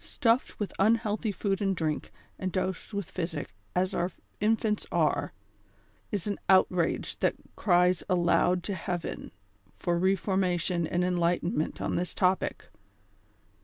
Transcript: Stuffed with unhealthy food and drink, and dosed with physic, as our infants are, is an outrage that criesialoud'to heaven for reformation and enlightenment on this topic.